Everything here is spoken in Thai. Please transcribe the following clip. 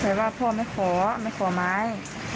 แต่ว่าพ่อไม่ขอไม่ขอไม้